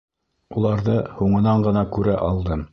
Уларҙы һуңынан ғына күрә алдым.